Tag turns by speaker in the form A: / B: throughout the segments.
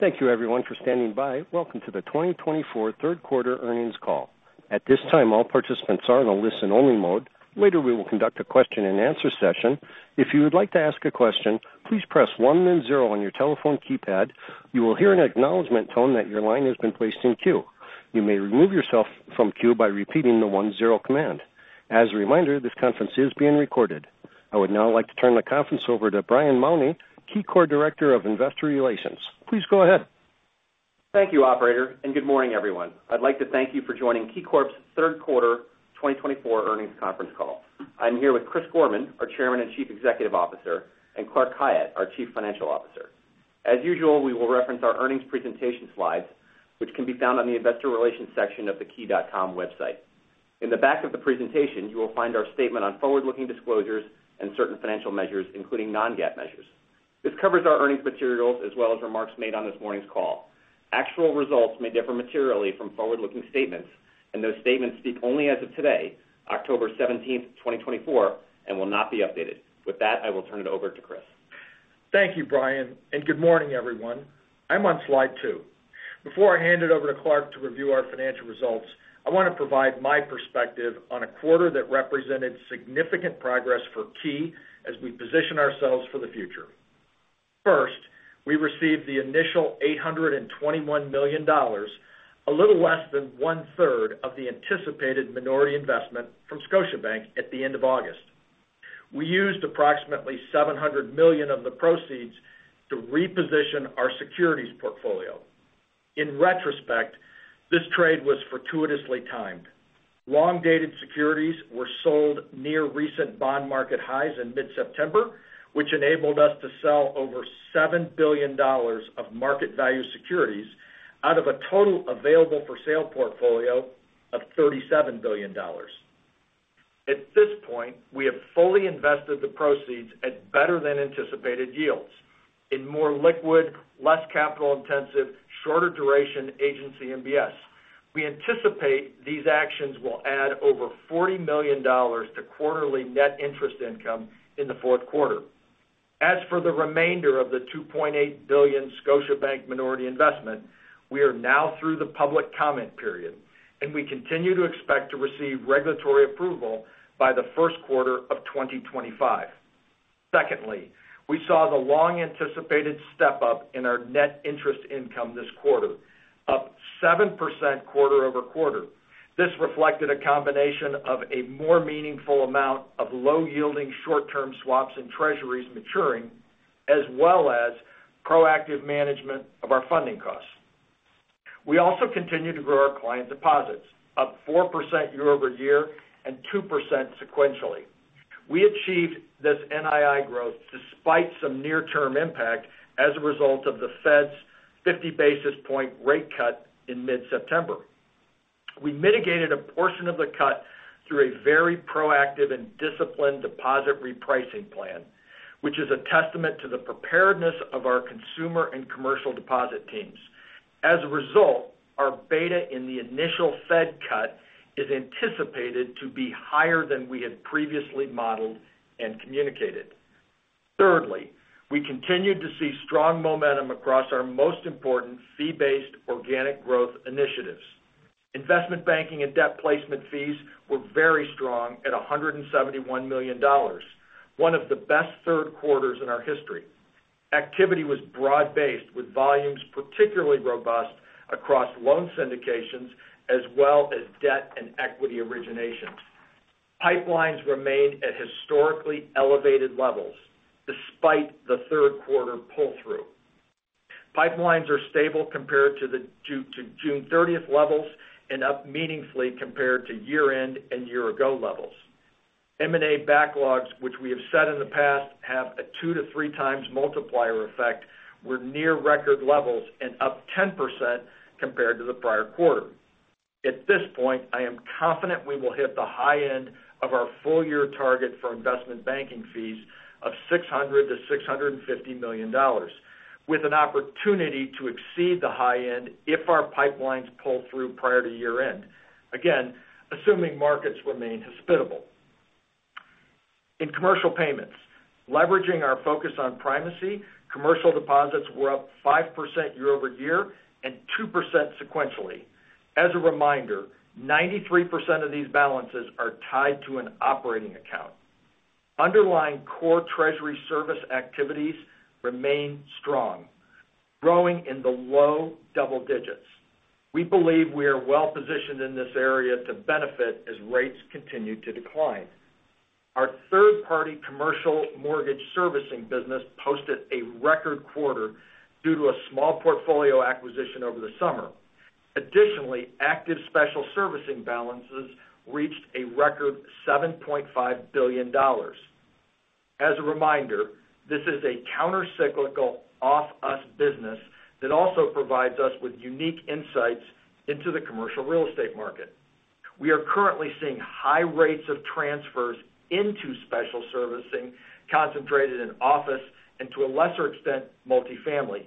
A: Thank you, everyone, for standing by. Welcome to the 2024 third quarter earnings call. At this time, all participants are in a listen-only mode. Later, we will conduct a question-and-answer session. If you would like to ask a question, please press one then zero on your telephone keypad. You will hear an acknowledgment tone that your line has been placed in queue. You may remove yourself from queue by repeating the one-zero command. As a reminder, this conference is being recorded. I would now like to turn the conference over to Brian Mauney, KeyCorp Director of Investor Relations. Please go ahead.
B: Thank you, operator, and good morning, everyone. I'd like to thank you for joining KeyCorp's third quarter 2024 earnings conference call. I'm here with Chris Gorman, our Chairman and Chief Executive Officer, and Clark Khayat, our Chief Financial Officer. As usual, we will reference our earnings presentation slides, which can be found on the investor relations section of the key.com website. In the back of the presentation, you will find our statement on forward-looking disclosures and certain financial measures, including non-GAAP measures. This covers our earnings materials as well as remarks made on this morning's call. Actual results may differ materially from forward-looking statements, and those statements speak only as of today, October 17th, 2024, and will not be updated. With that, I will turn it over to Chris.
C: Thank you, Brian, and good morning, everyone. I'm on slide two. Before I hand it over to Clark to review our financial results, I want to provide my perspective on a quarter that represented significant progress for Key as we position ourselves for the future. First, we received the initial $821 million, a little less than one-third of the anticipated minority investment from Scotiabank at the end of August. We used approximately $700 million of the proceeds to reposition our securities portfolio. In retrospect, this trade was fortuitously timed. Long-dated securities were sold near recent bond market highs in mid-September, which enabled us to sell over $7 billion of market value securities out of a total available-for-sale portfolio of $37 billion. At this point, we have fully invested the proceeds at better-than-anticipated yields in more liquid, less capital-intensive, shorter duration Agency MBS. We anticipate these actions will add over $40 million to quarterly net interest income in the fourth quarter. As for the remainder of the $2.8 billion Scotiabank minority investment, we are now through the public comment period, and we continue to expect to receive regulatory approval by the first quarter of 2025. Secondly, we saw the long-anticipated step-up in our net interest income this quarter, up 7% quarter-over-quarter. This reflected a combination of a more meaningful amount of low-yielding, short-term swaps and treasuries maturing, as well as proactive management of our funding costs. We also continue to grow our client deposits, up 4% year-over-year and 2% sequentially. We achieved this NII growth despite some near-term impact as a result of the Fed's 50 basis points rate cut in mid-September. We mitigated a portion of the cut through a very proactive and disciplined deposit repricing plan, which is a testament to the preparedness of our consumer and commercial deposit teams. As a result, our beta in the initial Fed cut is anticipated to be higher than we had previously modeled and communicated. Thirdly, we continued to see strong momentum across our most important fee-based organic growth initiatives. Investment banking and debt placement fees were very strong at $171 million, one of the best third quarters in our history. Activity was broad-based, with volumes particularly robust across loan syndications as well as debt and equity originations. Pipelines remained at historically elevated levels despite the third quarter pull-through. Pipelines are stable compared to June 30th levels and up meaningfully compared to year-end and year-ago levels. M&A backlogs, which we have said in the past, have a two to three times multiplier effect, were near record levels and up 10% compared to the prior quarter. At this point, I am confident we will hit the high end of our full-year target for investment banking fees of $600 million-$650 million, with an opportunity to exceed the high end if our pipelines pull through prior to year-end. Again, assuming markets remain hospitable. In commercial payments, leveraging our focus on primacy, commercial deposits were up 5% year-over-year and 2% sequentially. As a reminder, 93% of these balances are tied to an operating account. Underlying core treasury service activities remain strong, growing in the low double digits. We believe we are well positioned in this area to benefit as rates continue to decline. Our third-party commercial mortgage servicing business posted a record quarter due to a small portfolio acquisition over the summer. Additionally, active special servicing balances reached a record $7.5 billion. As a reminder, this is a countercyclical off-us business that also provides us with unique insights into the commercial real estate market. We are currently seeing high rates of transfers into special servicing concentrated in office and, to a lesser extent, multifamily,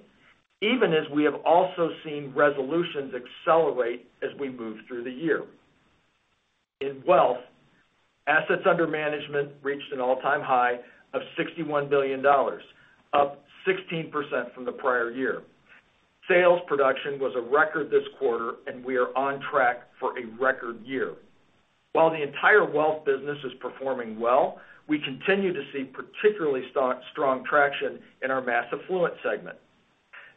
C: even as we have also seen resolutions accelerate as we move through the year. In wealth, assets under management reached an all-time high of $61 billion, up 16% from the prior year. Sales production was a record this quarter, and we are on track for a record year. While the entire wealth business is performing well, we continue to see particularly strong traction in our mass affluent segment.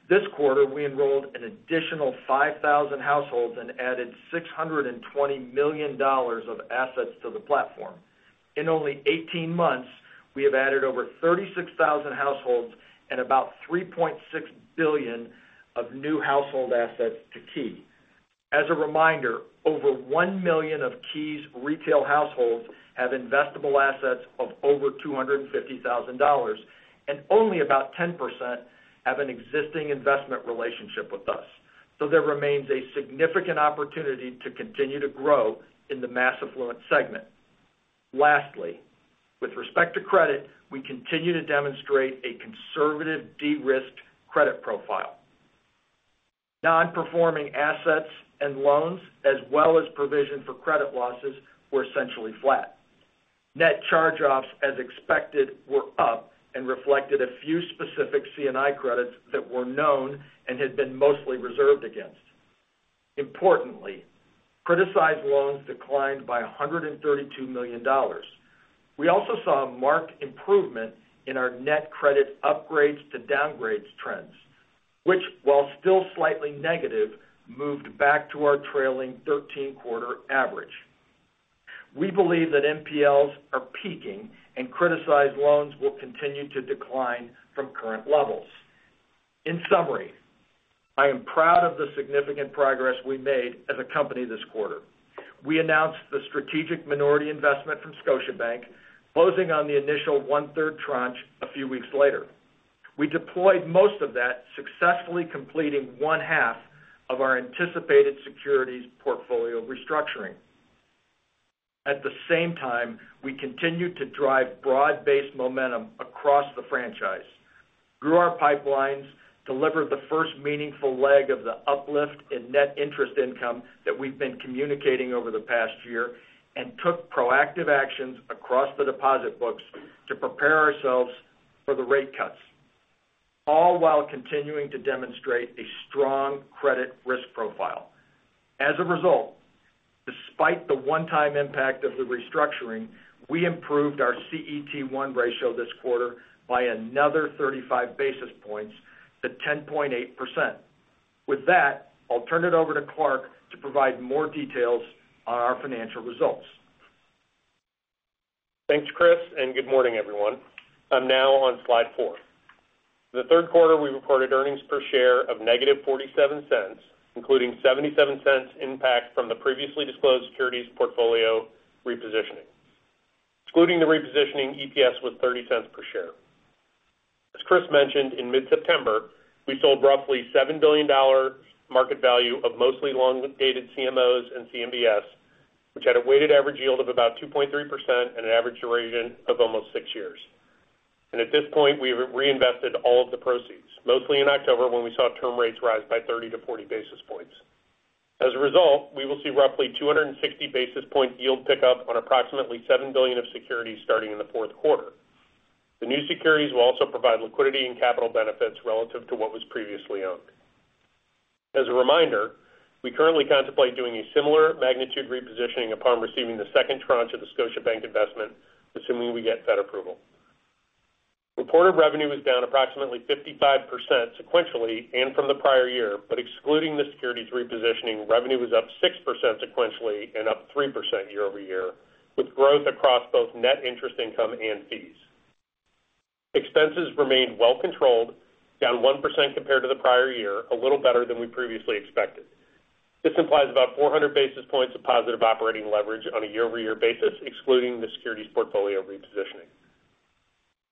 C: This quarter, we enrolled an additional 5,000 households and added $620 million of assets to the platform. In only 18 months, we have added over 36,000 households and about $3.6 billion of new household assets to Key. As a reminder, over 1 million of Key's retail households have investable assets of over $250,000, and only about 10% have an existing investment relationship with us. So there remains a significant opportunity to continue to grow in the mass affluent segment. Lastly, with respect to credit, we continue to demonstrate a conservative, de-risked credit profile. Non-performing assets and loans, as well as provision for credit losses, were essentially flat. Net charge-offs, as expected, were up and reflected a few specific C&I credits that were known and had been mostly reserved against. Importantly, criticized loans declined by $132 million. We also saw a marked improvement in our net credit upgrades to downgrades trends, which, while still slightly negative, moved back to our trailing 13-quarter average. We believe that NPLs are peaking and criticized loans will continue to decline from current levels. In summary, I am proud of the significant progress we made as a company this quarter. We announced the strategic minority investment from Scotiabank, closing on the initial one-third tranche a few weeks later. We deployed most of that, successfully completing one-half of our anticipated securities portfolio restructuring. At the same time, we continued to drive broad-based momentum across the franchise, grew our pipelines, delivered the first meaningful leg of the uplift in net interest income that we've been communicating over the past year, and took proactive actions across the deposit books to prepare ourselves for the rate cuts, all while continuing to demonstrate a strong credit risk profile. As a result, despite the one-time impact of the restructuring, we improved our CET1 ratio this quarter by another 35 basis points to 10.8%. With that, I'll turn it over to Clark to provide more details on our financial results.
D: Thanks, Chris, and good morning, everyone. I'm now on slide 4. The third quarter, we reported earnings per share of -$0.47, including $0.77 impact from the previously disclosed securities portfolio repositioning. Excluding the repositioning, EPS was $0.30 per share. As Chris mentioned, in mid-September, we sold roughly $7 billion market value of mostly long-dated CMOs and CMBS, which had a weighted average yield of about 2.3% and an average duration of almost 6 years. And at this point, we have reinvested all of the proceeds, mostly in October, when we saw term rates rise by 30-40 basis points. As a result, we will see roughly 260 basis point yield pickup on approximately $7 billion of securities starting in the fourth quarter. The new securities will also provide liquidity and capital benefits relative to what was previously owned. As a reminder, we currently contemplate doing a similar magnitude repositioning upon receiving the second tranche of the Scotiabank investment, assuming we get Fed approval. Reported revenue was down approximately 55% sequentially and from the prior year, but excluding the securities repositioning, revenue was up 6% sequentially and up 3% year-over-year, with growth across both net interest income and fees. Expenses remained well controlled, down 1% compared to the prior year, a little better than we previously expected. This implies about 400 basis points of positive operating leverage on a year-over-year basis, excluding the securities portfolio repositioning.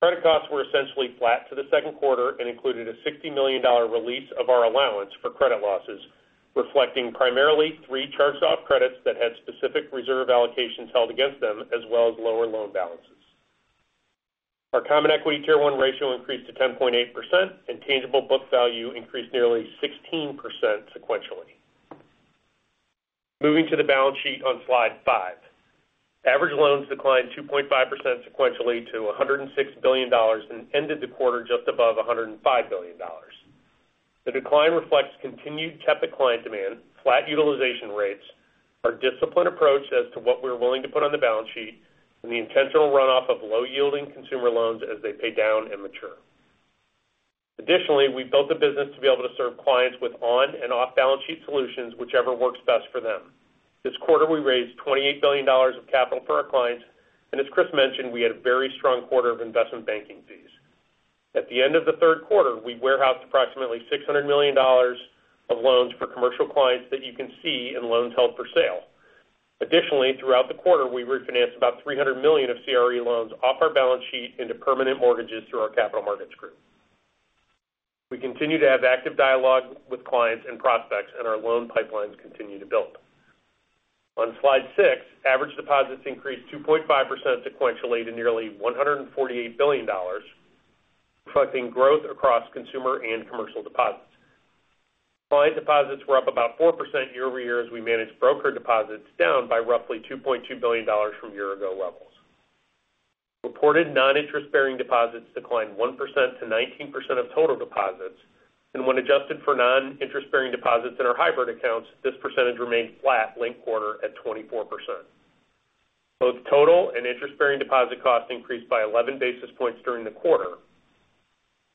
D: Credit costs were essentially flat to the second quarter and included a $60 million release of our allowance for credit losses, reflecting primarily three charge-off credits that had specific reserve allocations held against them, as well as lower loan balances. Our Common Equity Tier 1 ratio increased to 10.8%, and tangible book value increased nearly 16% sequentially. Moving to the balance sheet on slide 5. Average loans declined 2.5% sequentially to $106 billion and ended the quarter just above $105 billion. The decline reflects continued tepid client demand, flat utilization rates, our disciplined approach as to what we're willing to put on the balance sheet, and the intentional runoff of low-yielding consumer loans as they pay down and mature. Additionally, we've built the business to be able to serve clients with on- and off-balance-sheet solutions, whichever works best for them. This quarter, we raised $28 billion of capital for our clients, and as Chris mentioned, we had a very strong quarter of investment banking fees. At the end of the third quarter, we warehoused approximately $600 million of loans for commercial clients that you can see in loans held for sale. Additionally, throughout the quarter, we refinanced about $300 million of CRE loans off our balance sheet into permanent mortgages through our capital markets group. We continue to have active dialogue with clients and prospects, and our loan pipelines continue to build. On slide six, average deposits increased 2.5% sequentially to nearly $148 billion, reflecting growth across consumer and commercial deposits. Client deposits were up about 4% year-over-year as we managed broker deposits down by roughly $2.2 billion from year ago levels. Reported non-interest bearing deposits declined 1% to 19% of total deposits, and when adjusted for non-interest bearing deposits in our hybrid accounts, this percentage remained flat linked quarter at 24%. Both total and interest bearing deposit costs increased by 11 basis points during the quarter.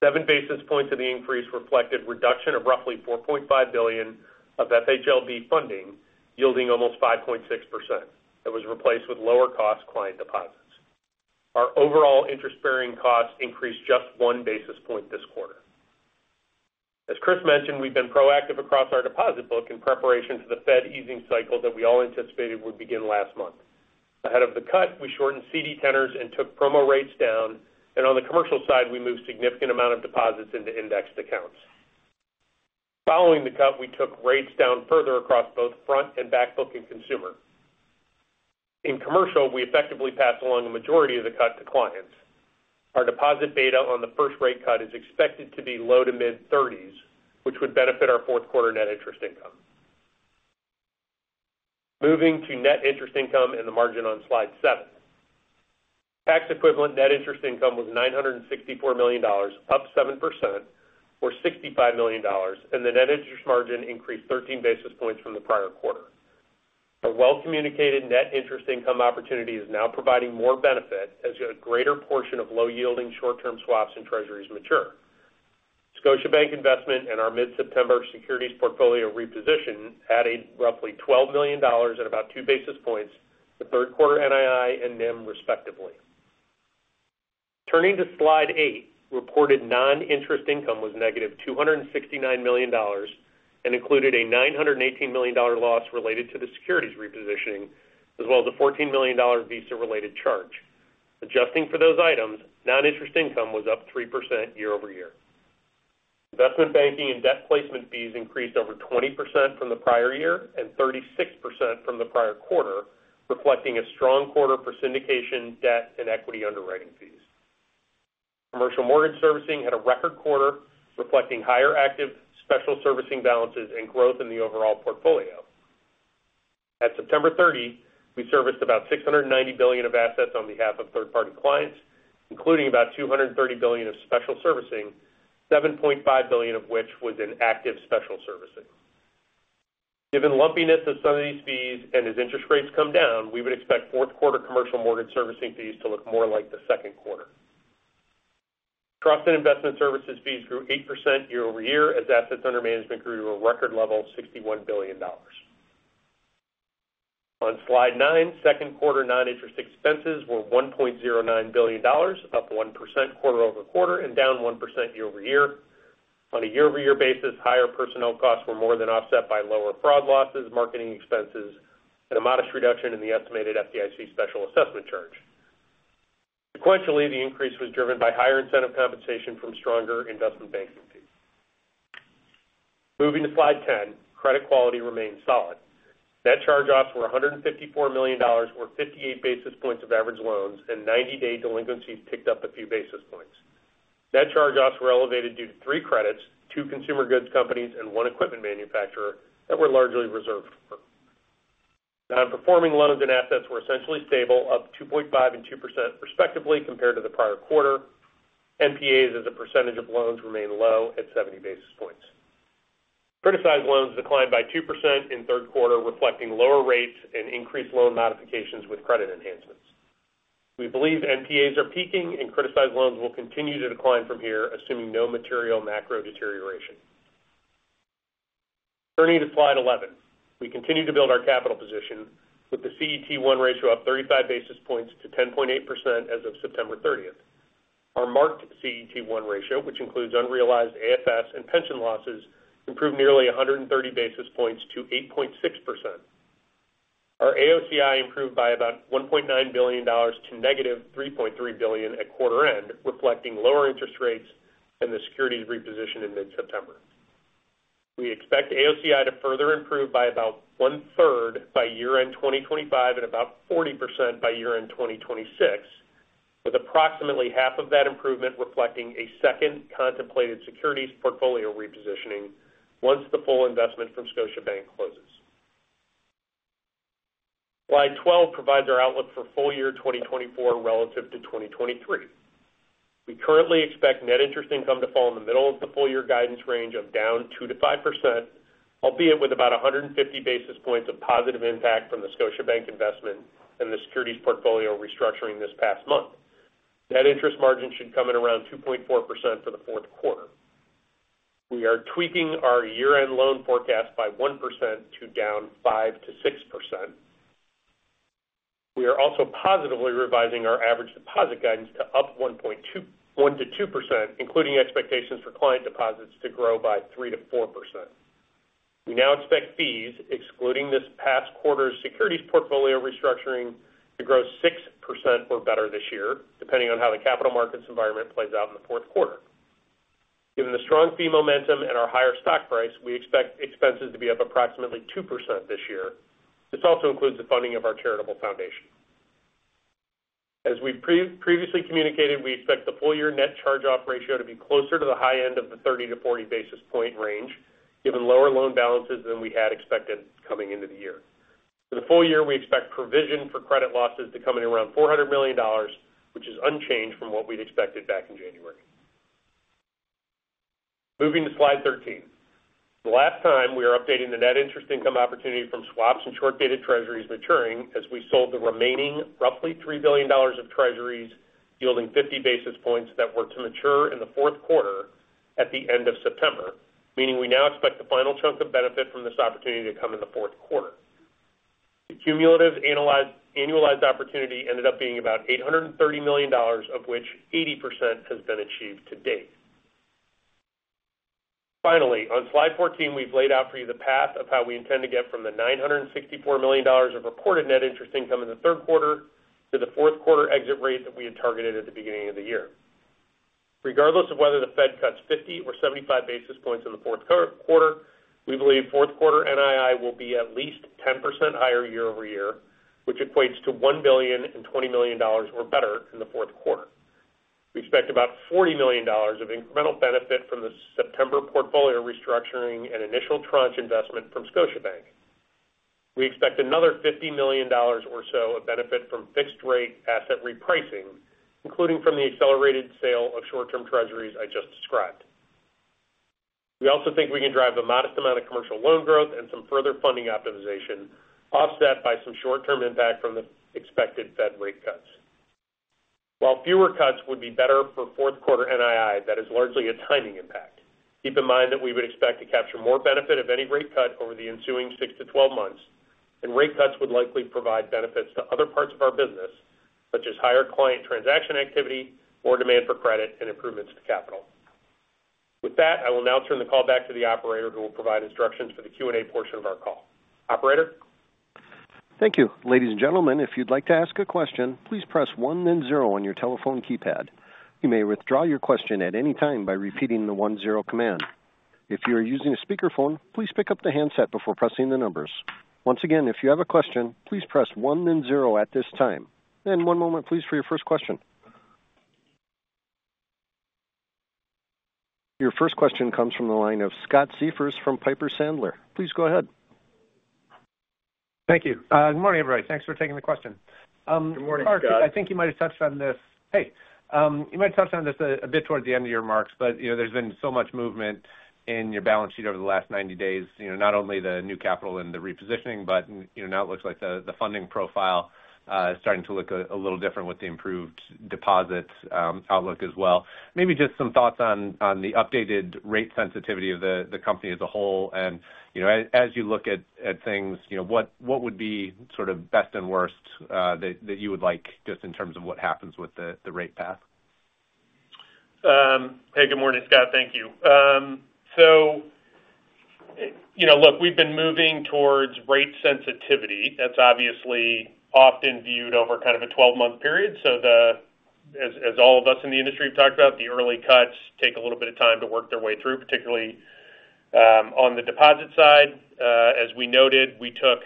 D: Seven basis points of the increase reflected reduction of roughly $4.5 billion of FHLB funding, yielding almost 5.6%. That was replaced with lower cost client deposits. Our overall interest bearing costs increased just one basis point this quarter. As Chris mentioned, we've been proactive across our deposit book in preparation for the Fed easing cycle that we all anticipated would begin last month. Ahead of the cut, we shortened CD tenors and took promo rates down, and on the commercial side, we moved significant amount of deposits into indexed accounts. Following the cut, we took rates down further across both front and back book and consumer. In commercial, we effectively passed along the majority of the cut to clients. Our deposit beta on the first rate cut is expected to be low-to-mid 30s, which would benefit our fourth quarter net interest income. Moving to net interest income and the margin on slide 7. Tax-equivalent net interest income was $964 million, up 7% or $65 million, and the net interest margin increased 13 basis points from the prior quarter. A well-communicated net interest income opportunity is now providing more benefit as a greater portion of low-yielding short-term swaps and treasuries mature. Scotiabank investment and our mid-September securities portfolio reposition added roughly $12 million at about 2 basis points to third quarter NII and NIM, respectively. Turning to slide 8, reported non-interest income was -$269 million and included a $918 million loss related to the securities repositioning, as well as a $14 million Visa-related charge. Adjusting for those items, non-interest income was up 3% year-over-year. Investment banking and debt placement fees increased over 20% from the prior year and 36% from the prior quarter, reflecting a strong quarter for syndication, debt, and equity underwriting fees. Commercial mortgage servicing had a record quarter, reflecting higher active special servicing balances and growth in the overall portfolio. At September 30, we serviced about $690 billion of assets on behalf of third-party clients, including about $230 billion of special servicing, $7.5 billion of which was in active special servicing. Given the lumpiness of some of these fees and as interest rates come down, we would expect fourth quarter commercial mortgage servicing fees to look more like the second quarter. Trust and investment services fees grew 8% year-over-year, as assets under management grew to a record level of $61 billion. On slide 9, second quarter non-interest expenses were $1.09 billion, up 1% quarter-over-quarter and down 1% year-over-year. On a year-over-year basis, higher personnel costs were more than offset by lower fraud losses, marketing expenses, and a modest reduction in the estimated FDIC special assessment charge. Sequentially, the increase was driven by higher incentive compensation from stronger investment banking fees. Moving to slide 10, credit quality remains solid. Net charge-offs were $154 million, or 58 basis points of average loans, and ninety-day delinquency picked up a few basis points. Net charge-offs were elevated due to three credits, two consumer goods companies, and one equipment manufacturer that were largely reserved for. Non-performing loans and assets were essentially stable, up 2.5% and 2% respectively compared to the prior quarter. NPAs, as a percentage of loans, remain low at 70 basis points. Criticized loans declined by 2% in third quarter, reflecting lower rates and increased loan modifications with credit enhancements. We believe NPAs are peaking and criticized loans will continue to decline from here, assuming no material macro deterioration. Turning to slide 11. We continue to build our capital position, with the CET1 ratio up 35 basis points to 10.8% as of September 30th. Our marked CET1 ratio, which includes unrealized AFS and pension losses, improved nearly 130 basis points to 8.6%. Our AOCI improved by about $1.9 billion to negative $3.3 billion at quarter end, reflecting lower interest rates and the securities reposition in mid-September. We expect AOCI to further improve by about one-third by year-end 2025 and about 40% by year-end 2026, with approximately half of that improvement reflecting a second contemplated securities portfolio repositioning once the full investment from Scotiabank closes. slide 12 provides our outlook for full year 2024 relative to 2023. We currently expect net interest income to fall in the middle of the full year guidance range of down 2%-5%, albeit with about 150 basis points of positive impact from the Scotiabank investment and the securities portfolio restructuring this past month. Net interest margin should come in around 2.4% for the fourth quarter. We are tweaking our year-end loan forecast by 1% to down 5%-6%. We are also positively revising our average deposit guidance to up 1%-2%, including expectations for client deposits to grow by 3%-4%. We now expect fees, excluding this past quarter's securities portfolio restructuring, to grow 6% or better this year, depending on how the capital markets environment plays out in the fourth quarter. Given the strong fee momentum and our higher stock price, we expect expenses to be up approximately 2% this year. This also includes the funding of our charitable foundation. As we've previously communicated, we expect the full year net charge off ratio to be closer to the high end of the 30-40 basis point range, given lower loan balances than we had expected coming into the year. For the full year, we expect provision for credit losses to come in around $400 million, which is unchanged from what we'd expected back in January. Moving to slide 13. The last time we are updating the net interest income opportunity from swaps and short-dated treasuries maturing as we sold the remaining roughly $3 billion of treasuries, yielding 50 basis points that were to mature in the fourth quarter at the end of September, meaning we now expect the final chunk of benefit from this opportunity to come in the fourth quarter. The cumulative analyzed-annualized opportunity ended up being about $830 million, of which 80% has been achieved to date. Finally, on slide 14, we've laid out for you the path of how we intend to get from the $964 million of reported net interest income in the third quarter to the fourth quarter exit rate that we had targeted at the beginning of the year. Regardless of whether the Fed cuts 50 or 75 basis points in the fourth quarter, we believe fourth quarter NII will be at least 10% higher year-over-year, which equates to $1.02 billion or better in the fourth quarter. We expect about $40 million of incremental benefit from the September portfolio restructuring and initial tranche investment from Scotiabank. We expect another $50 million or so of benefit from fixed rate asset repricing, including from the accelerated sale of short-term treasuries I just described. We also think we can drive a modest amount of commercial loan growth and some further funding optimization, offset by some short-term impact from the expected Fed rate cuts. While fewer cuts would be better for fourth quarter NII, that is largely a timing impact. Keep in mind that we would expect to capture more benefit of any rate cut over the ensuing six to 12 months, and rate cuts would likely provide benefits to other parts of our business, such as higher client transaction activity or demand for credit and improvements to capital. With that, I will now turn the call back to the operator, who will provide instructions for the Q&A portion of our call. Operator?
A: Thank you. Ladies and gentlemen, if you'd like to ask a question, please press one then zero on your telephone keypad. You may withdraw your question at any time by repeating the one zero command. If you are using a speakerphone, please pick up the handset before pressing the numbers. Once again, if you have a question, please press one then zero at this time. One moment, please, for your first question. Your first question comes from the line of Scott Siefers from Piper Sandler. Please go ahead.
E: Thank you. Good morning, everybody. Thanks for taking the question.
D: Good morning, Scott.
E: I think you might have touched on this. Hey, you might have touched on this a bit towards the end of your remarks, but, you know, there's been so much movement in your balance sheet over the last ninety days. You know, not only the new capital and the repositioning, but, you know, now it looks like the funding profile is starting to look a little different with the improved deposits outlook as well. Maybe just some thoughts on the updated rate sensitivity of the company as a whole. You know, as you look at things, you know, what would be sort of best and worst that you would like just in terms of what happens with the rate path?
D: Hey, good morning, Scott. Thank you. So, you know, look, we've been moving towards rate sensitivity. That's obviously often viewed over kind of a twelve-month period. So as all of us in the industry have talked about, the early cuts take a little bit of time to work their way through, particularly on the deposit side. As we noted, we took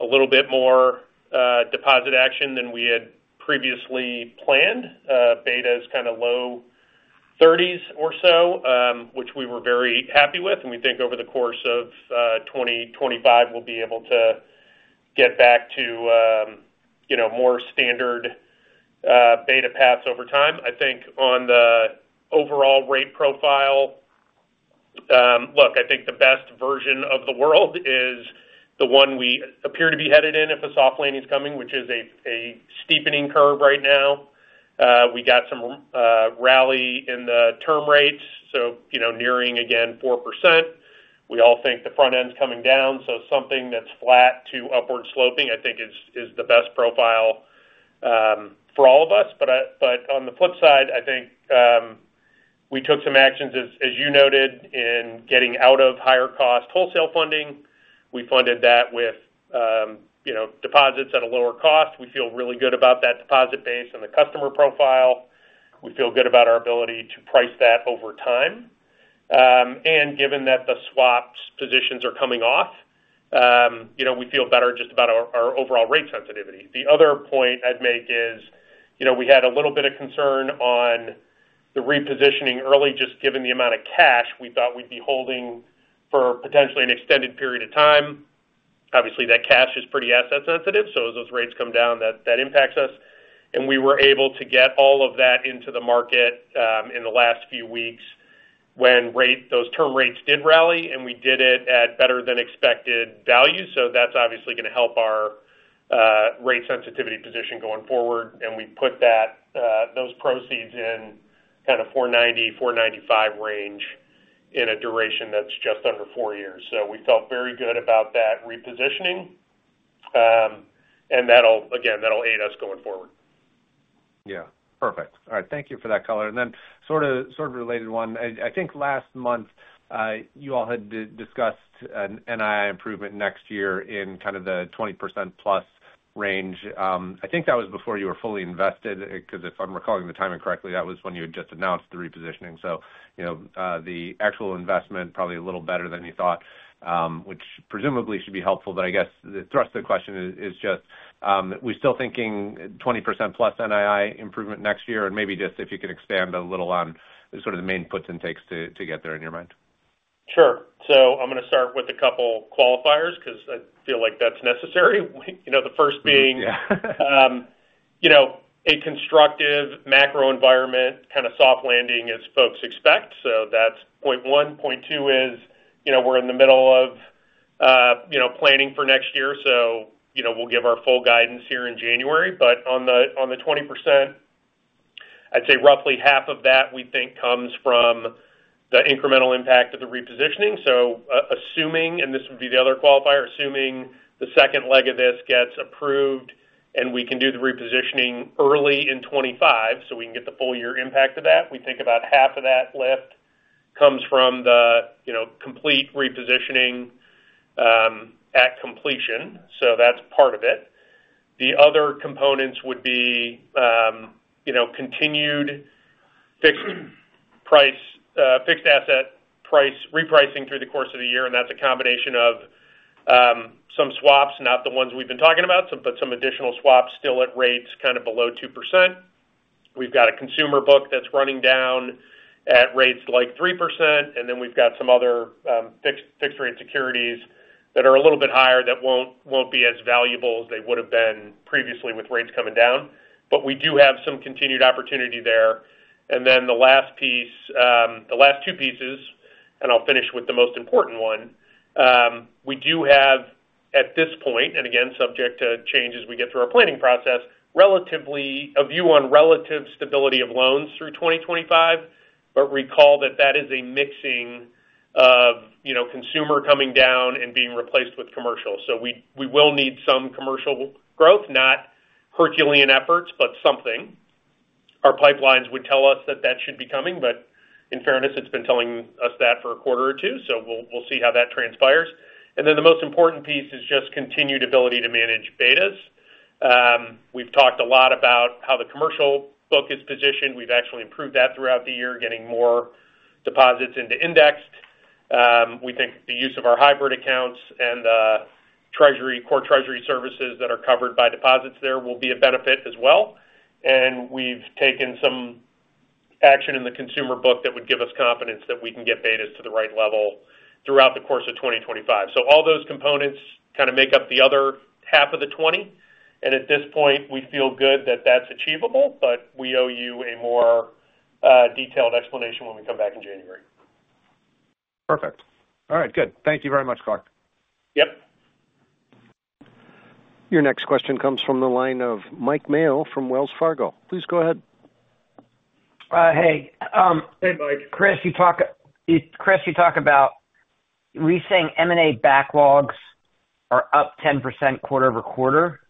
D: a little bit more deposit action than we had previously planned. Beta is kind of low thirties or so, which we were very happy with, and we think over the course of 2025, we'll be able to get back to, you know, more standard beta paths over time. I think on the overall rate profile, look, I think the best version of the world is the one we appear to be headed in if a soft landing is coming, which is a steepening curve right now. We got some rally in the term rates, so, you know, nearing again 4%. We all think the front end's coming down, so something that's flat to upward sloping, I think is the best profile for all of us. But on the flip side, I think we took some actions, as you noted, in getting out of higher cost wholesale funding. We funded that with, you know, deposits at a lower cost. We feel really good about that deposit base and the customer profile. We feel good about our ability to price that over time. And given that the swaps positions are coming off, you know, we feel better just about our overall rate sensitivity. The other point I'd make is, you know, we had a little bit of concern on the repositioning early, just given the amount of cash we thought we'd be holding for potentially an extended period of time. Obviously, that cash is pretty asset sensitive, so as those rates come down, that impacts us. And we were able to get all of that into the market in the last few weeks when those term rates did rally, and we did it at better than expected value. So that's obviously going to help our rate sensitivity position going forward, and we put those proceeds in kind of 4.90-4.95 range in a duration that's just under four years. So we felt very good about that repositioning. And that'll again aid us going forward.
E: Yeah. Perfect. All right. Thank you for that color. And then sort of, sort of related one. I think last month you all had discussed an NII improvement next year in kind of the 20% plus range. I think that was before you were fully invested, because if I'm recalling the timing correctly, that was when you had just announced the repositioning. So, you know, the actual investment probably a little better than you thought, which presumably should be helpful. But I guess the thrust of the question is just we're still thinking 20% plus NII improvement next year? And maybe just if you could expand a little on sort of the main puts and takes to get there in your mind.
D: Sure, so I'm gonna start with a couple qualifiers, 'cause I feel like that's necessary. You know, the first being-
E: Yeah.
D: you know, a constructive macro environment, kind of soft landing as folks expect. So that's point one. Point two is, you know, we're in the middle of, you know, planning for next year, so, you know, we'll give our full guidance here in January. But on the, on the 20%, I'd say roughly half of that, we think, comes from the incremental impact of the repositioning. So assuming, and this would be the other qualifier, assuming the second leg of this gets approved and we can do the repositioning early in 2025, so we can get the full year impact of that, we think about half of that lift comes from the, you know, complete repositioning, at completion. So that's part of it. The other components would be, you know, continued fixed asset price repricing through the course of the year, and that's a combination of some swaps, not the ones we've been talking about, but some additional swaps still at rates kind of below 2%. We've got a consumer book that's running down at rates like 3%, and then we've got some other fixed-rate securities that are a little bit higher that won't be as valuable as they would have been previously with rates coming down, but we do have some continued opportunity there, and then the last piece, the last two pieces, and I'll finish with the most important one. We do have, at this point, and again, subject to change as we get through our planning process, relatively a view on relative stability of loans through 2025. But recall that is a mixing of, you know, consumer coming down and being replaced with commercial. So we will need some commercial growth, not Herculean efforts, but something. Our pipelines would tell us that should be coming, but in fairness, it's been telling us that for a quarter or two, so we'll see how that transpires. And then the most important piece is just continued ability to manage betas. We've talked a lot about how the commercial book is positioned. We've actually improved that throughout the year, getting more deposits into indexed. We think the use of our hybrid accounts and the treasury, core treasury services that are covered by deposits there will be a benefit as well. And we've taken some action in the consumer book that would give us confidence that we can get betas to the right level throughout the course of 2025. So all those components kind of make up the other half of the twenty, and at this point, we feel good that that's achievable, but we owe you a more detailed explanation when we come back in January.
E: Perfect. All right, good. Thank you very much, Clark.
D: Yep.
A: Your next question comes from the line of Mike Mayo from Wells Fargo. Please go ahead.
F: Hey.
C: Hey, Mike.
F: Chris, you talk about we're seeing M&A backlogs are up 10% quarter-over-quarter.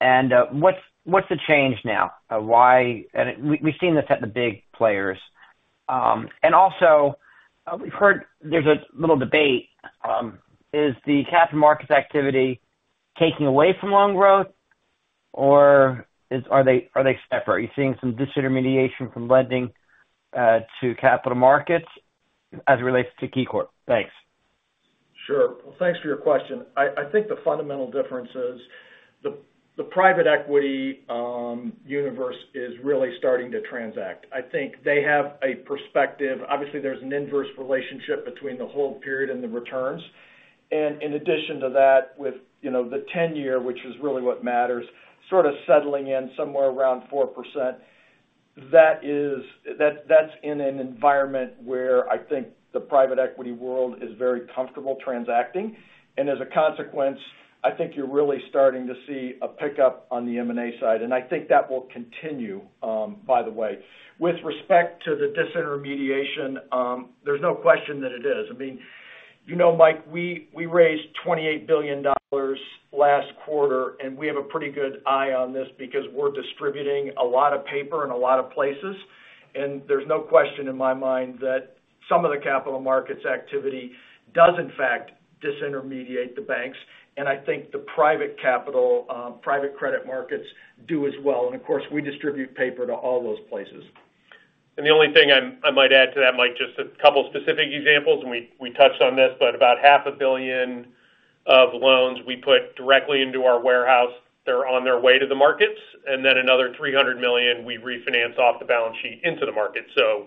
F: And, what's the change now? Why? And we've seen this at the big players. And also, we've heard there's a little debate, is the capital markets activity taking away from loan growth, or are they separate? Are you seeing some disintermediation from lending to capital markets as it relates to KeyCorp? Thanks.
C: Sure. Well, thanks for your question. I think the fundamental difference is the private equity universe is really starting to transact. I think they have a perspective. Obviously, there's an inverse relationship between the hold period and the returns. And in addition to that, with you know the 10-year, which is really what matters, sort of settling in somewhere around 4%, that's in an environment where I think the private equity world is very comfortable transacting. And as a consequence, I think you're really starting to see a pickup on the M&A side, and I think that will continue, by the way. With respect to the disintermediation, there's no question that it is. I mean, you know, Mike, we raised $28 billion last quarter, and we have a pretty good eye on this because we're distributing a lot of paper in a lot of places, and there's no question in my mind that some of the capital markets activity does, in fact, disintermediate the banks, and I think the private capital, private credit markets do as well, and of course, we distribute paper to all those places.
D: And the only thing I might add to that, Mike, just a couple specific examples, and we touched on this, but about $500 million of loans we put directly into our warehouse. They're on their way to the markets, and then another $300 million, we refinance off the balance sheet into the market. So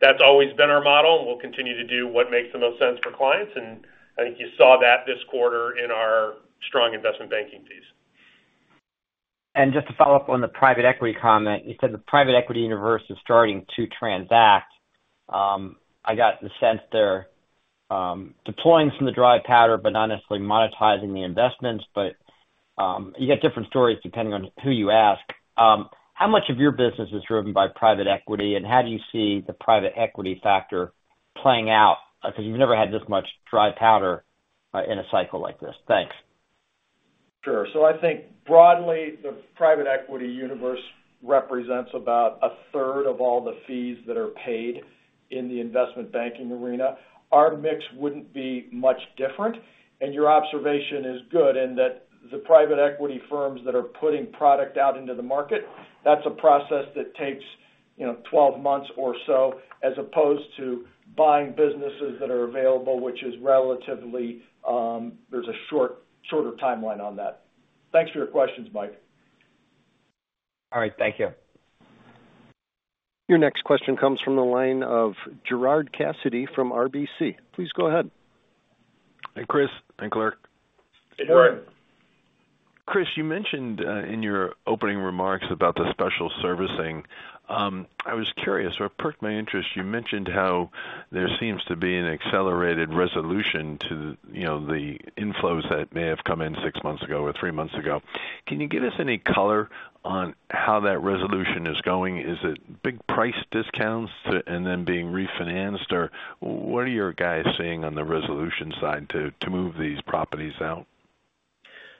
D: that's always been our model, and we'll continue to do what makes the most sense for clients. And I think you saw that this quarter in our strong investment banking fees.
F: And just to follow up on the private equity comment, you said the private equity universe is starting to transact. I got the sense they're deploying some of the dry powder, but not necessarily monetizing the investments. But you get different stories depending on who you ask. How much of your business is driven by private equity, and how do you see the private equity factor playing out? Because you've never had this much dry powder in a cycle like this. Thanks.
C: Sure. So I think broadly, the private equity universe represents about a third of all the fees that are paid in the investment banking arena. Our mix wouldn't be much different, and your observation is good, and that the private equity firms that are putting product out into the market, that's a process that takes, you know, twelve months or so, as opposed to buying businesses that are available, which is relatively, there's a shorter timeline on that. Thanks for your questions, Mike.
F: All right, thank you.
A: Your next question comes from the line of Gerard Cassidy from RBC. Please go ahead.
G: Hi, Chris. Hi, Clark.
C: Hey, Gerard.
G: Chris, you mentioned in your opening remarks about the special servicing. I was curious, what perked my interest, you mentioned how there seems to be an accelerated resolution to, you know, the inflows that may have come in six months ago or three months ago. Can you give us any color on how that resolution is going? Is it big price discounts and then being refinanced? Or what are your guys seeing on the resolution side to move these properties out?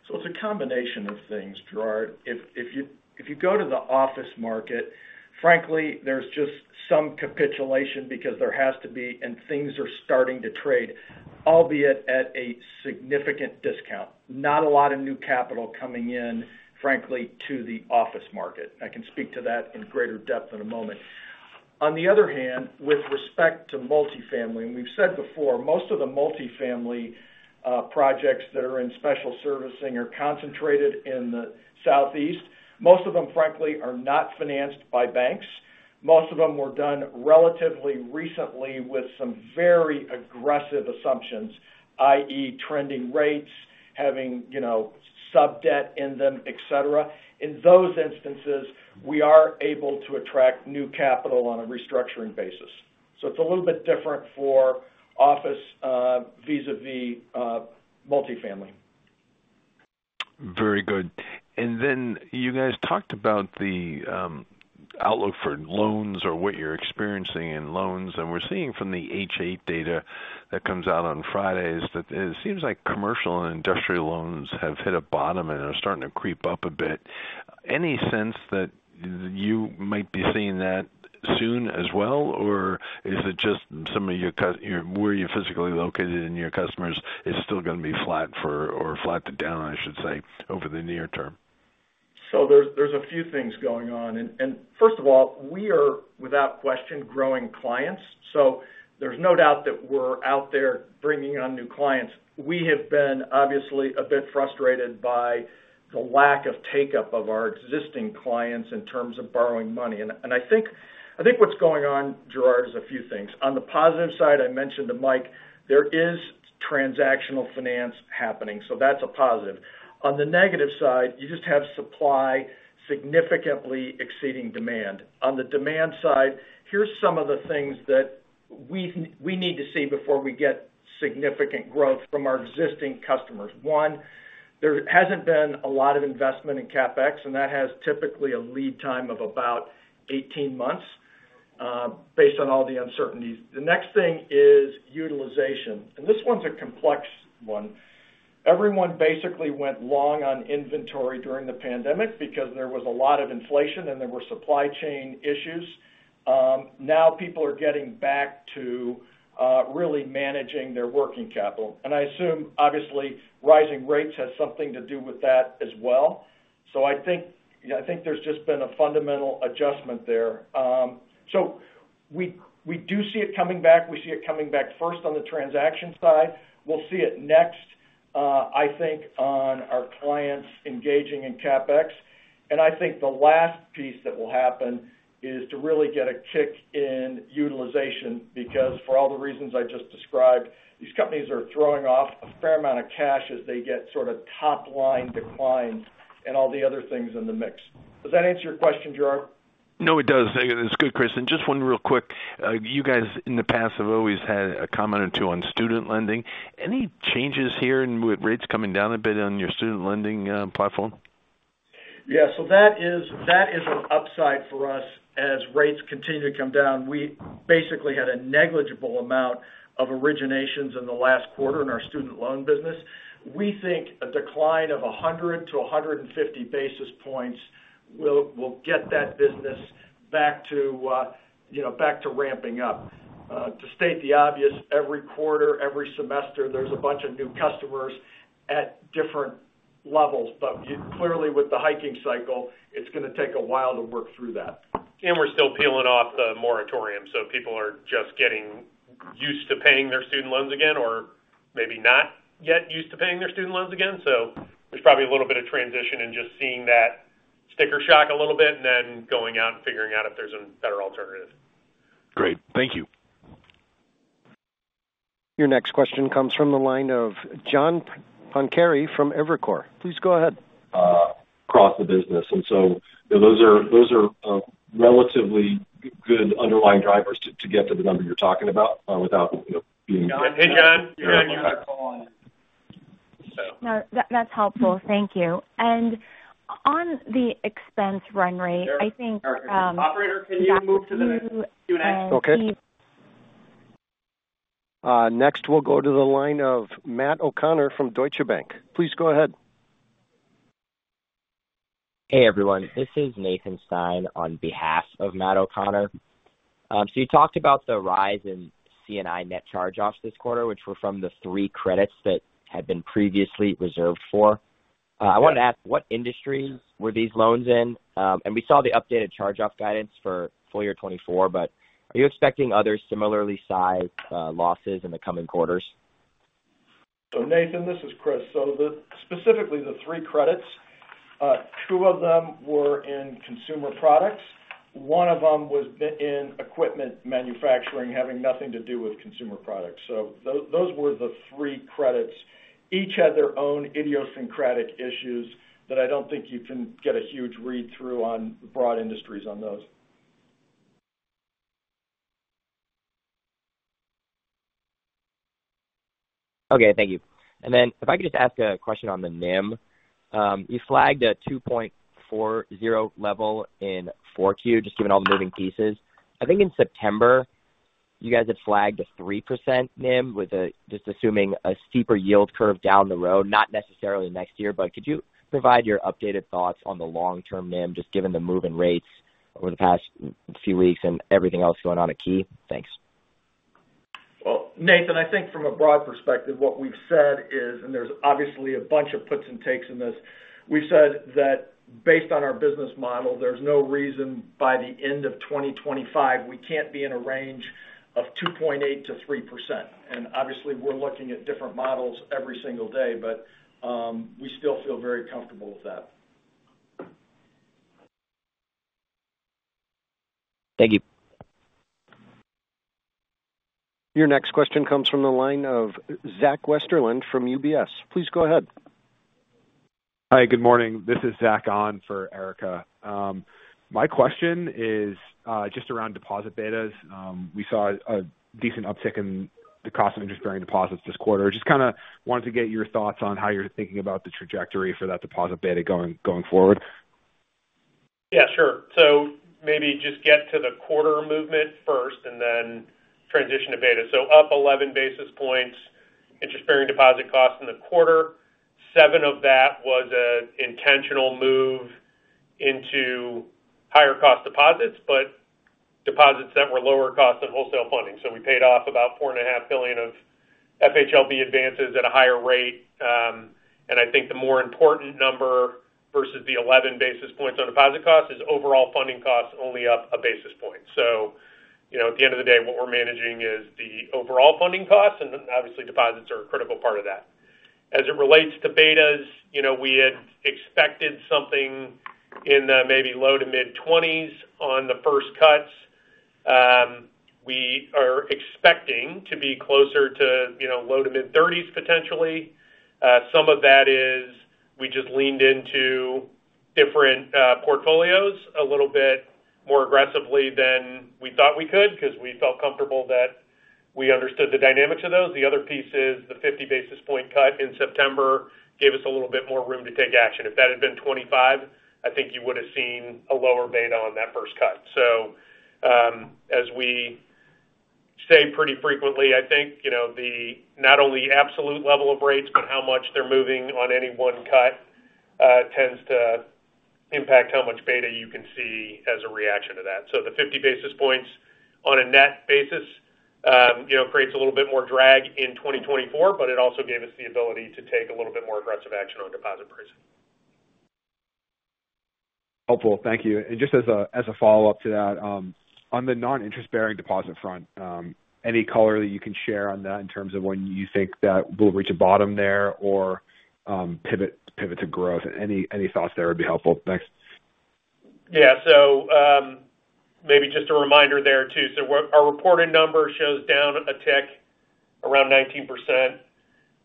C: So it's a combination of things, Gerard. If you go to the office market, frankly, there's just some capitulation because there has to be, and things are starting to trade, albeit at a significant discount. Not a lot of new capital coming in, frankly, to the office market. I can speak to that in greater depth in a moment. On the other hand, with respect to multifamily, and we've said before, most of the multifamily projects that are in special servicing are concentrated in the Southeast. Most of them, frankly, are not financed by banks. Most of them were done relatively recently with some very aggressive assumptions, i.e., trending rates, having, you know, sub-debt in them, et cetera. In those instances, we are able to attract new capital on a restructuring basis. So it's a little bit different for office, vis-a-vis, multifamily.
G: Very good. And then you guys talked about the outlook for loans or what you're experiencing in loans, and we're seeing from the H.8 data that comes out on Fridays, that it seems like commercial and industrial loans have hit a bottom and are starting to creep up a bit. Any sense that you might be seeing that soon as well, or is it just some of your customers where you're physically located, and your customers is still gonna be flat for or flat to down, I should say, over the near term?
C: So there's a few things going on. And first of all, we are, without question, growing clients, so there's no doubt that we're out there bringing on new clients. We have been obviously a bit frustrated by the lack of take-up of our existing clients in terms of borrowing money. And I think what's going on, Gerard, is a few things. On the positive side, I mentioned to Mike, there is transactional finance happening, so that's a positive. On the negative side, you just have supply significantly exceeding demand. On the demand side, here's some of the things that we need to see before we get significant growth from our existing customers. One, there hasn't been a lot of investment in CapEx, and that has typically a lead time of about eighteen months, based on all the uncertainties. The next thing is utilization, and this one's a complex one. Everyone basically went long on inventory during the pandemic because there was a lot of inflation and there were supply chain issues. Now people are getting back to really managing their working capital. And I assume, obviously, rising rates has something to do with that as well. So I think, yeah, I think there's just been a fundamental adjustment there. So we do see it coming back. We see it coming back first on the transaction side. We'll see it next, I think on our clients engaging in CapEx. And I think the last piece that will happen is to really get a kick in utilization, because for all the reasons I just described, these companies are throwing off a fair amount of cash as they get sort of top-line declines and all the other things in the mix. Does that answer your question, Gerard?
G: No, it does. It's good, Chris. And just one real quick. You guys, in the past, have always had a comment or two on student lending. Any changes here in with rates coming down a bit on your student lending platform?
C: Yeah, so that is an upside for us as rates continue to come down. We basically had a negligible amount of originations in the last quarter in our student loan business. We think a decline of a hundred to a hundred and fifty basis points will get that business back to, you know, back to ramping up. To state the obvious, every quarter, every semester, there's a bunch of new customers at different levels, but clearly, with the hiking cycle, it's gonna take a while to work through that.
D: We're still peeling off the moratorium, so people are just getting used to paying their student loans again, or maybe not yet used to paying their student loans again. There's probably a little bit of transition and just seeing that sticker shock a little bit and then going out and figuring out if there's a better alternative.
G: Great. Thank you.
A: Your next question comes from the line of John Pancari from Evercore. Please go ahead.
H: Across the business. And so those are relatively good underlying drivers to get to the number you're talking about without, you know, being-
C: Hey, John. No, that's helpful. Thank you. And on the expense run rate, I think, Operator, can you move to the next?
A: Okay. Next, we'll go to the line of Matt O'Connor from Deutsche Bank. Please go ahead.
I: Hey, everyone. This is Nathan Stein on behalf of Matt O'Connor, so you talked about the rise in C&I net charge-offs this quarter, which were from the three credits that had been previously reserved for. I wanted to ask, what industries were these loans in, and we saw the updated charge-off guidance for full year 2024, but are you expecting other similarly sized losses in the coming quarters?
C: So Nathan, this is Chris. Specifically the three credits, two of them were in consumer products. One of them was in equipment manufacturing, having nothing to do with consumer products. So those were the three credits. Each had their own idiosyncratic issues that I don't think you can get a huge read-through on broad industries on those.
I: Okay, thank you. And then if I could just ask a question on the NIM. You flagged a 2.40 level in 4Q, just given all the moving pieces. I think in September, you guys had flagged a 3% NIM just assuming a steeper yield curve down the road, not necessarily next year. But could you provide your updated thoughts on the long-term NIM, just given the move in rates over the past few weeks and everything else going on at Key? Thanks.
D: Well, Nathan, I think from a broad perspective, what we've said is, and there's obviously a bunch of puts and takes in this, we've said that based on our business model, there's no reason by the end of 2025, we can't be in a range of 2.8%-3%. And obviously, we're looking at different models every single day, but we still feel very comfortable with that.
I: Thank you.
A: Your next question comes from the line of Zach Westerlind from UBS. Please go ahead.
J: Hi, good morning. This is Zach on for Erika. My question is just around deposit betas. We saw a decent uptick in the cost of interest-bearing deposits this quarter. Just kind of wanted to get your thoughts on how you're thinking about the trajectory for that deposit beta going forward.
D: Yeah, sure. So maybe just get to the quarter movement first and then transition to beta. So up eleven basis points, interest-bearing deposit cost in the quarter. Seven of that was an intentional move into higher cost deposits, but deposits that were lower cost than wholesale funding. So we paid off about $4.5 billion of FHLB advances at a higher rate. And I think the more important number versus the eleven basis points on deposit cost is overall funding costs only up a basis point. So, you know, at the end of the day, what we're managing is the overall funding costs, and obviously, deposits are a critical part of that. As it relates to betas, you know, we had expected something in the maybe low to mid-twenties on the first cuts. We are expecting to be closer to, you know, low to mid-thirties, potentially. Some of that is we just leaned into different portfolios a little bit more aggressively than we thought we could because we felt comfortable that we understood the dynamics of those. The other piece is the fifty basis point cut in September gave us a little bit more room to take action. If that had been twenty-five, I think you would have seen a lower beta on that first cut. So, as we say pretty frequently, I think, you know, the not only absolute level of rates, but how much they're moving on any one cut, tends to impact how much beta you can see as a reaction to that. So the fifty basis points on a net basis, you know, creates a little bit more drag in 2024, but it also gave us the ability to take a little bit more aggressive action on deposit pricing.
J: Helpful. Thank you. And just as a follow-up to that, on the non-interest-bearing deposit front, any color that you can share on that in terms of when you think that we'll reach a bottom there or, pivot to growth? Any thoughts there would be helpful. Thanks.
D: Yeah. So, maybe just a reminder there, too. So our reported number shows down a tick around 19%.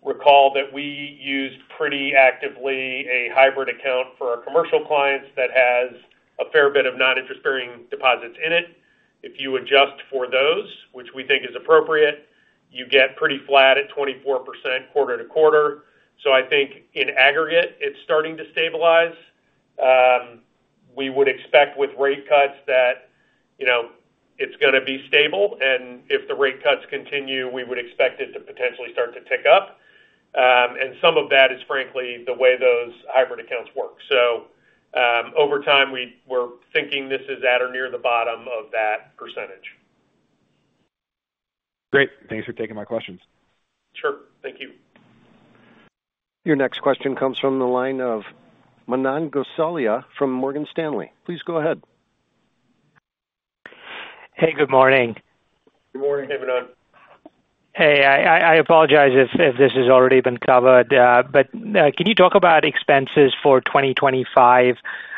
D: Recall that we used pretty actively a hybrid account for our commercial clients that has a fair bit of non-interest-bearing deposits in it. If you adjust for those, which we think is appropriate, you get pretty flat at 24% quarter to quarter. So I think in aggregate, it's starting to stabilize. We would expect with rate cuts that, you know, it's going to be stable, and if the rate cuts continue, we would expect it to potentially start to tick up. And some of that is, frankly, the way those hybrid accounts work. So over time, we're thinking this is at or near the bottom of that percentage.
J: Great. Thanks for taking my questions.
D: Sure. Thank you.
A: Your next question comes from the line of Manan Gosalia from Morgan Stanley. Please go ahead.
K: Hey, good morning.
C: Good morning, Manan.
K: Hey, I apologize if this has already been covered, but can you talk about expenses for 2025? You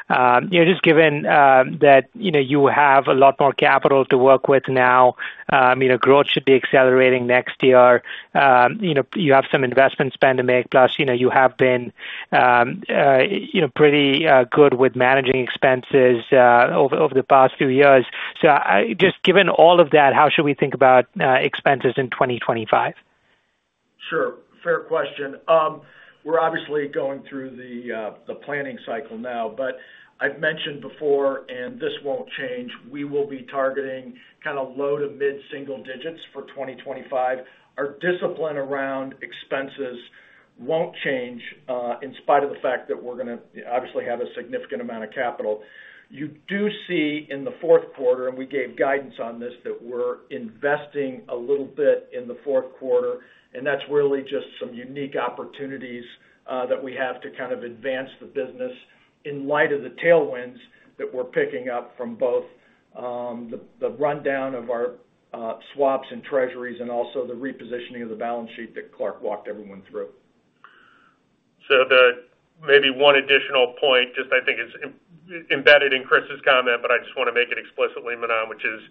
K: know, just given that, you know, you have a lot more capital to work with now, you know, growth should be accelerating next year. You know, you have some investment spend to make, plus, you know, you have been, you know, pretty good with managing expenses over the past few years. So just given all of that, how should we think about expenses in 2025?
C: Sure. Fair question. We're obviously going through the planning cycle now, but I've mentioned before, and this won't change, we will be targeting kind of low to mid-single digits for 2025. Our discipline around expenses won't change, in spite of the fact that we're going to obviously have a significant amount of capital. You do see in the fourth quarter, and we gave guidance on this, that we're investing a little bit in the fourth quarter, and that's really just some unique opportunities that we have to kind of advance the business in light of the tailwinds that we're picking up from both, the rundown of our swaps and treasuries and also the repositioning of the balance sheet that Clark walked everyone through.
D: So the maybe one additional point, just I think is embedded in Chris's comment, but I just want to make it explicitly, Manan, which is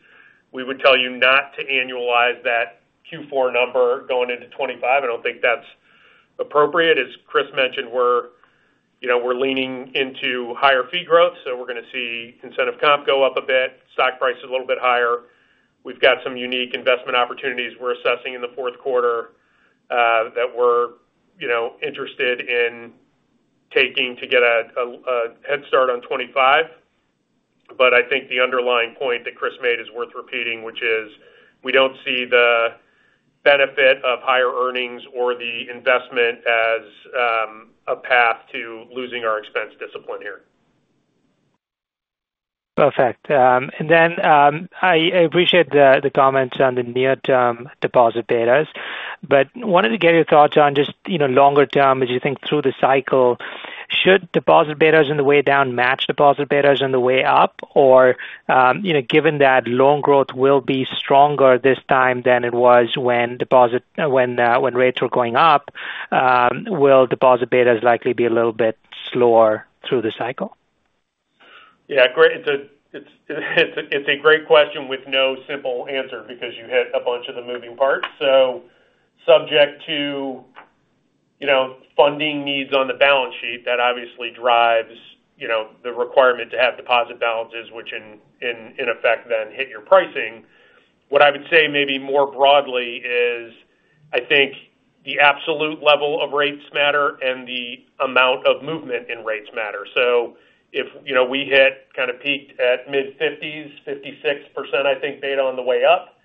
D: we would tell you not to annualize that Q4 number going into 2025. I don't think that's appropriate. As Chris mentioned, we're, you know, we're leaning into higher fee growth, so we're going to see incentive comp go up a bit, stock price is a little bit higher. We've got some unique investment opportunities we're assessing in the fourth quarter, that we're, you know, interested in taking to get a, a head start on 2025. But I think the underlying point that Chris made is worth repeating, which is we don't see the benefit of higher earnings or the investment as, a path to losing our expense discipline here.
K: Perfect. And then, I appreciate the comments on the near-term deposit betas, but wanted to get your thoughts on just, you know, longer term, as you think through the cycle, should deposit betas on the way down match deposit betas on the way up? Or, you know, given that loan growth will be stronger this time than it was when rates were going up, will deposit betas likely be a little bit slower through the cycle?
D: Yeah, great. It's a great question with no simple answer because you hit a bunch of the moving parts. So subject to, you know, funding needs on the balance sheet, that obviously drives, you know, the requirement to have deposit balances, which in effect then hit your pricing. What I would say maybe more broadly is, I think the absolute level of rates matter and the amount of movement in rates matter. So if, you know, we hit kind of peaked at mid-50s, 56%, I think beta on the way up,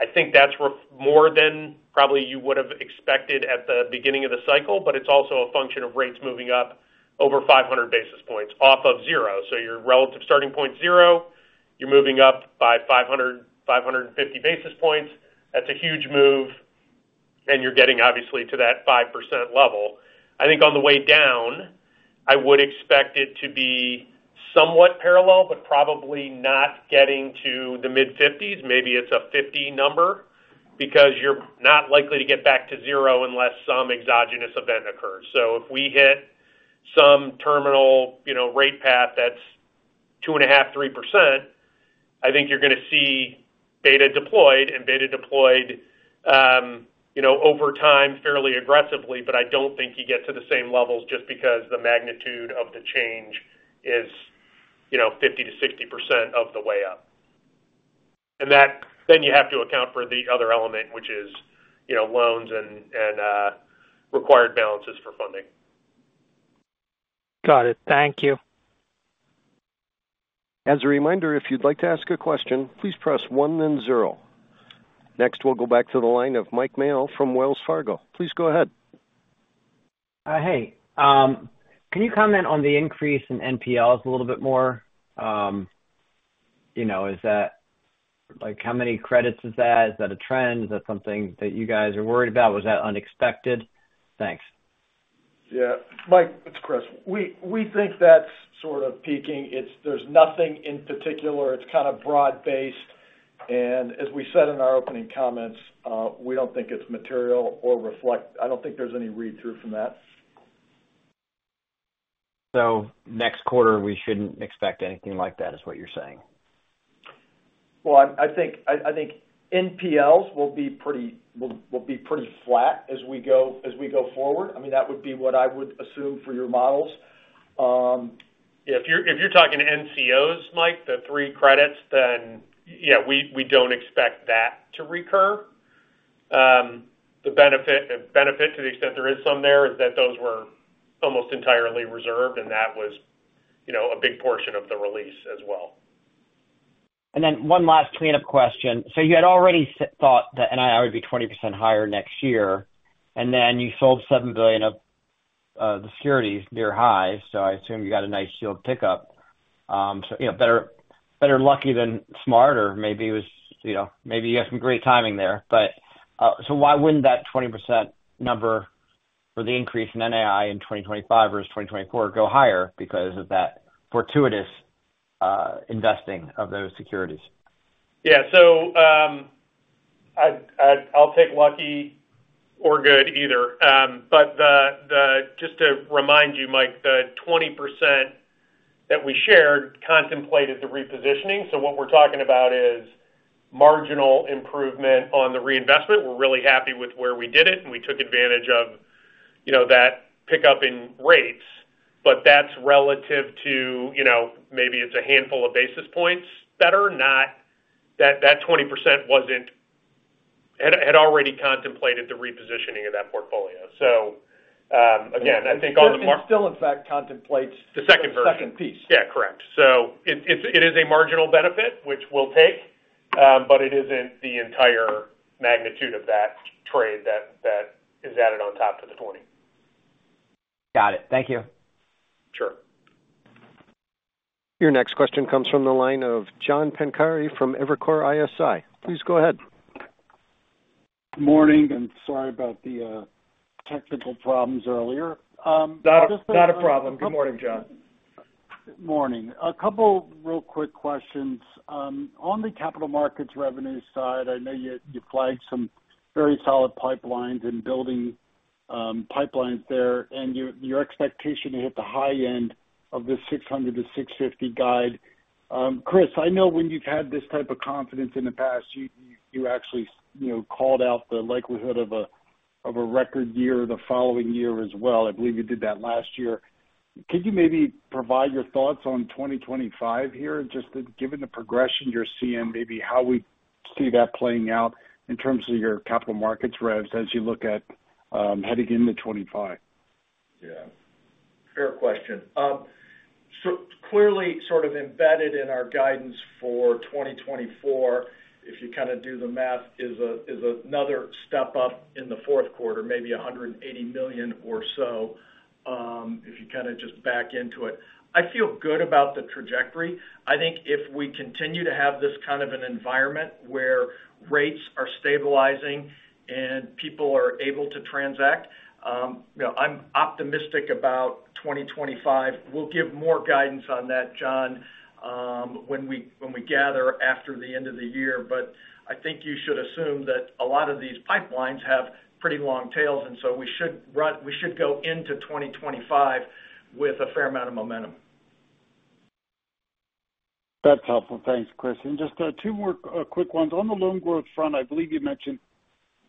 D: I think that's more than probably you would have expected at the beginning of the cycle, but it's also a function of rates moving up over 500 basis points off of zero. Your relative starting point zero, you're moving up by 500, 550 basis points. That's a huge move, and you're getting obviously to that 5% level. I think on the way down, I would expect it to be somewhat parallel, but probably not getting to the mid-50s. Maybe it's a 50 number, because you're not likely to get back to zero unless some exogenous event occurs. If we hit some terminal, you know, rate path, that's 2.5, 3%, I think you're gonna see beta deployed, you know, over time, fairly aggressively, but I don't think you get to the same levels just because the magnitude of the change is, you know, 50 to 60% of the way up. That, then you have to account for the other element, which is, you know, loans and required balances for funding.
K: Got it. Thank you.
A: As a reminder, if you'd like to ask a question, please press one then zero. Next, we'll go back to the line of Mike Mayo from Wells Fargo. Please go ahead.
F: Hey. Can you comment on the increase in NPLs a little bit more? You know, is that, like, how many credits is that? Is that a trend? Is that something that you guys are worried about? Was that unexpected? Thanks.
C: Yeah, Mike, it's Chris. We think that's sort of peaking. It's. There's nothing in particular. It's kind of broad-based, and as we said in our opening comments, we don't think it's material or reflect. I don't think there's any read-through from that.
F: So next quarter, we shouldn't expect anything like that, is what you're saying?
C: I think NPLs will be pretty flat as we go forward. I mean, that would be what I would assume for your models.
D: If you're talking NCOs, Mike, the three credits, then yeah, we don't expect that to recur. The benefit, to the extent there is some there, is that those were almost entirely reserved, and that was, you know, a big portion of the release as well.
F: And then one last cleanup question. So you had already thought that NII would be 20% higher next year, and then you sold $7 billion of the securities near high. So I assume you got a nice yield pickup. So you know, better, better lucky than smarter. Maybe it was, you know, maybe you had some great timing there. But so why wouldn't that 20% number for the increase in NII in 2025 versus 2024 go higher because of that fortuitous investing of those securities?
D: Yeah. So, I'd-- I'll take lucky or good, either. But the-- just to remind you, Mike, the 20% that we shared contemplated the repositioning. So what we're talking about is marginal improvement on the reinvestment. We're really happy with where we did it, and we took advantage of, you know, that pickup in rates. But that's relative to, you know, maybe it's a handful of basis points, better not... That 20% wasn't-- had already contemplated the repositioning of that portfolio. So, again, I think on the mark-
C: It still, in fact, contemplates-
D: The second version.
C: The second piece.
D: Yeah, correct. So it's a marginal benefit, which we'll take, but it isn't the entire magnitude of that trade that is added on top to the twenty.
F: Got it. Thank you.
D: Sure.
A: Your next question comes from the line of John Pancari from Evercore ISI. Please go ahead.
H: Morning, and sorry about the technical problems earlier.
C: Not a problem. Good morning, John.
H: .Morning. A couple real quick questions. On the capital markets revenue side, I know you flagged some very solid pipelines and building pipelines there, and your expectation to hit the high end of the $600-$650 guide. Chris, I know when you've had this type of confidence in the past, you actually, you know, called out the likelihood of a record year the following year as well. I believe you did that last year. Could you maybe provide your thoughts on 2025 here, just given the progression you're seeing, maybe how we see that playing out in terms of your capital markets revs as you look at heading into 2025?
C: Yeah, fair question. So clearly, sort of embedded in our guidance for 2024, if you kind of do the math, is a, is another step up in the fourth quarter, maybe $180 million or so, if you kind of just back into it. I feel good about the trajectory. I think if we continue to have this kind of an environment where rates are stabilizing and people are able to transact, you know, I'm optimistic about 2025. We'll give more guidance on that, John, when we, when we gather after the end of the year. But I think you should assume that a lot of these pipelines have pretty long tails, and so we should go into 2025 with a fair amount of momentum.
H: That's helpful. Thanks, Chris. And just two more quick ones. On the loan growth front, I believe you mentioned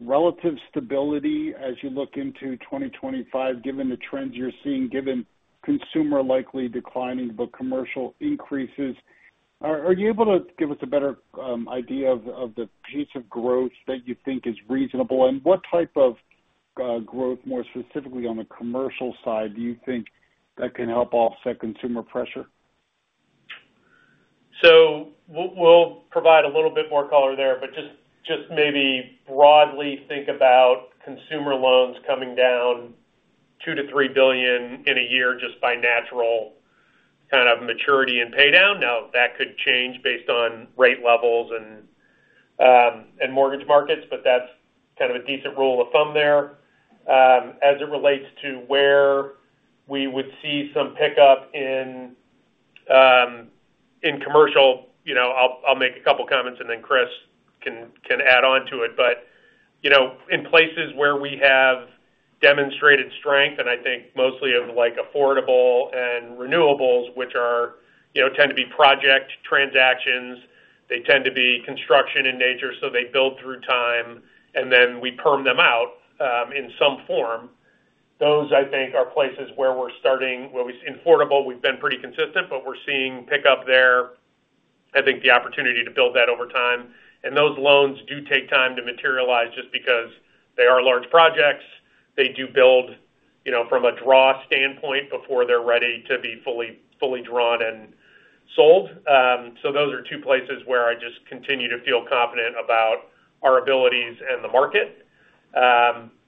H: relative stability as you look into 2025, given the trends you're seeing, given consumer likely declining, but commercial increases. Are you able to give us a better idea of the pace of growth that you think is reasonable, and what type of growth, more specifically on the commercial side, do you think that can help offset consumer pressure?
D: So we'll provide a little bit more color there, but just maybe broadly think about consumer loans coming down $2 billion-$3 billion in a year just by natural kind of maturity and pay down. Now, that could change based on rate levels and mortgage markets, but that's kind of a decent rule of thumb there. As it relates to where we would see some pickup in commercial, you know, I'll make a couple comments, and then Chris can add on to it. But, you know, in places where we have demonstrated strength, and I think mostly of, like, affordable and renewables, which are, you know, tend to be project transactions, they tend to be construction in nature, so they build through time, and then we perm them out, in some form. Those, I think, are places where we're starting in affordable. We've been pretty consistent, but we're seeing pickup there. I think the opportunity to build that over time, and those loans do take time to materialize just because they are large projects. They do build, you know, from a draw standpoint before they're ready to be fully drawn and sold, so those are two places where I just continue to feel confident about our abilities and the market,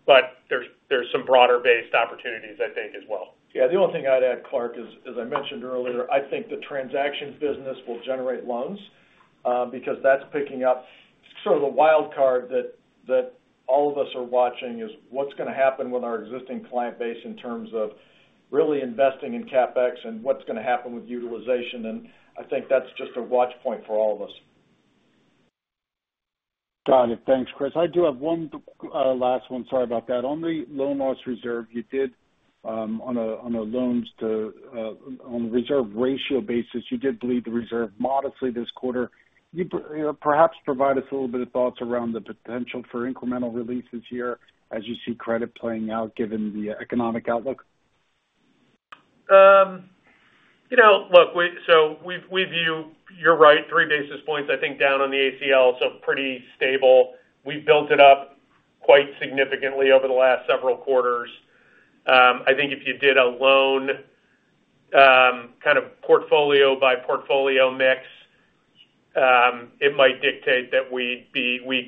D: but there's some broader-based opportunities, I think, as well.
C: Yeah, the only thing I'd add, Clark, is, as I mentioned earlier, I think the transactions business will generate loans, because that's picking up. Sort of the wild card that all of us are watching is what's gonna happen with our existing client base in terms of really investing in CapEx and what's gonna happen with utilization, and I think that's just a watch point for all of us.
H: Got it. Thanks, Chris. I do have one last one. Sorry about that. On the loan loss reserve, you did, on the reserve ratio basis, you did bleed the reserve modestly this quarter. Can you perhaps provide us a little bit of thoughts around the potential for incremental releases here as you see credit playing out given the economic outlook?
D: You know, look, so we've, we view, you're right, three basis points, I think, down on the ACL, so pretty stable. We've built it up quite significantly over the last several quarters. I think if you did a loan kind of portfolio by portfolio mix, it might dictate that we